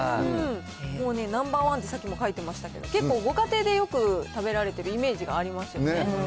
もうね、ナンバー１ってさっきも書いてましたけど、結構、ご家庭でよく食べられてるイメージがありますよね。